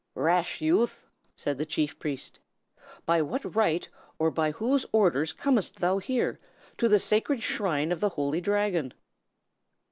"Rash youth!" said the chief priest, "by what right or by whose order comest thou here, to the Sacred Shrine of the Holy Dragon?"